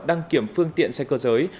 đăng kiểm phương tiện xe cơ giới